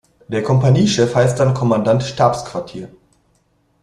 Der Kompaniechef heißt dann Kommandant Stabsquartier.